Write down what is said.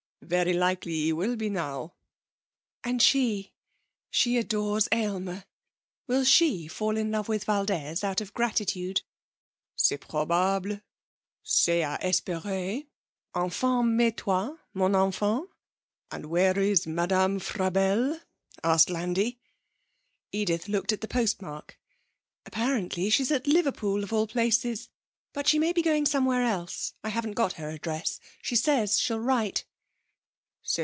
'Very likely he will be now.' 'And she she adores Aylmer. Will she fall in love with Valdez out of gratitude?' 'C'est probable. C'est à espérer.... Enfin mais toi, mon enfant?' 'And where is Madame Frabelle?' asked Landi. Edith looked at the postmark. 'Apparently she's at Liverpool, of all places; but she may be going somewhere else. I haven't got her address. She says she'll write.'